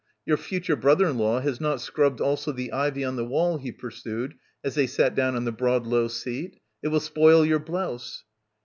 Your future brother in law has not scrubbed also the ivy on the wall," he pursued as they sat down on the broad low seat, "it will spoil your blouse."